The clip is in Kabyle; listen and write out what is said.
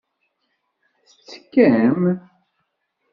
Tettekkam?